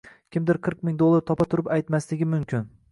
kimdir qirq ming dollar topa turib aytmasligi mumkin.